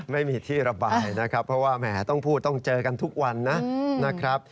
ไม่มีที่ระบายนะครับเพราะว่าแหมต้องพูดต้องเจอกันทุกวันนะครับ